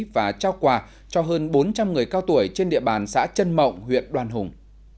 và trao quà cho hơn bốn trăm linh người cao tuổi trên địa bàn xã trân mộng huyện đoàn hùng